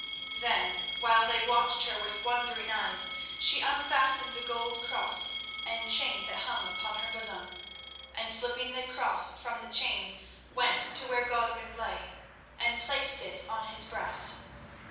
Then, while they watched her with wondering eyes, she unfastened the gold cross and chain that hung upon her bosom, and slipping the cross from the chain, went to where Godwin lay, and placed it on his breast.